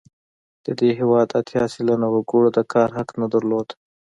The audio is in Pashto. د دې هېواد اتیا سلنه وګړو د کار حق نه درلود.